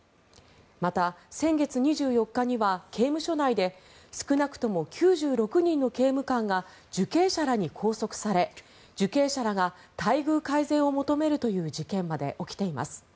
また、先月２４日には刑務所内で少なくとも９６人の刑務官が受刑者らに拘束され受刑者らが待遇改善を求めるという事件まで起きています。